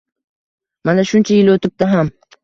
Mana shuncha yil o‘tibdi ham